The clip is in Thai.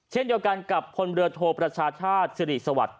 เช่นเดียวกันกับพลเรือโทประชาชาติสิริสวัสดิ